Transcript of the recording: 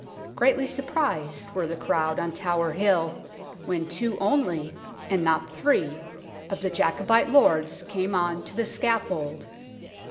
Greatly surprised were the crowd on Tower Hill when two only, and not three, of the Jacobite lords came on to the scaffold.